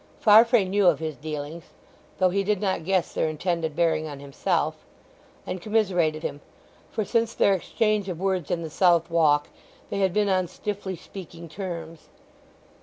Farfrae knew of his dealings (though he did not guess their intended bearing on himself) and commiserated him; for since their exchange of words in the South Walk they had been on stiffly speaking terms.